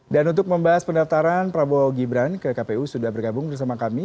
dan untuk membahas pendaftaran prabowo gibran ke kpu sudah bergabung bersama kami